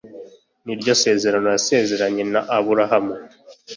ni ryo sezerano yasezeranye na aburahamu